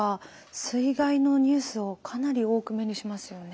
水害のニュースをかなり多く目にしますよね。